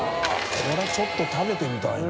これちょっと食べてみたいな。